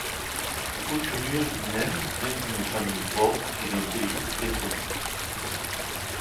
Ce couturier lui-même vient d'une famille pauvre et d'un pays pétrolier.